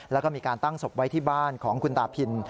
แล้วก็มีการตั้งศพไว้ที่บ้านของคุณตาพิน